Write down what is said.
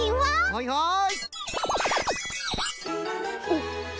はいはい。